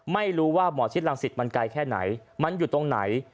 ไม่รู้ว่าหมอชิดรังสิตมันไกลแค่ไหนมันอยู่ตรงไหน